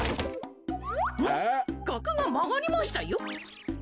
あっがくがまがりましたよ。